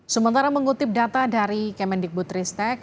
sementara mengutip data dari kemendikbutristek